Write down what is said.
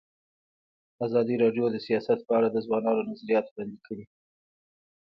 ازادي راډیو د سیاست په اړه د ځوانانو نظریات وړاندې کړي.